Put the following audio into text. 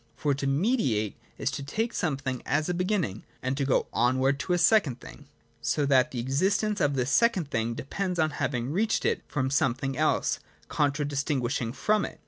For to mediate is to take some thing as a beginning and to go onward to a second thing ; so that the existence of this second thing de pends on our having reached it from something else contradistinguished from it.